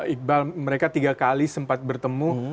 iqbal mereka tiga kali sempat bertemu